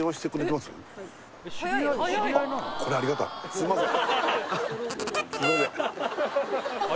すいません